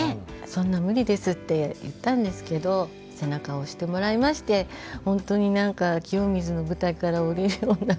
そんな無理ですって言ったんですけど背中を押してもらいましてほんとに何か清水の舞台から降りるような。